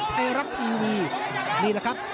ไทยรัฐทีวีนี่แหละครับ